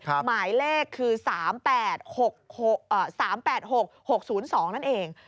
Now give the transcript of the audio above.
หมายเลขคือ๓๘๖๓๘๖๖๐๒นั่นเอง